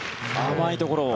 甘いところを。